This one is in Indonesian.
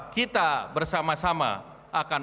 kita bersama sama akan